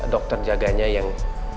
dokter jaganya yang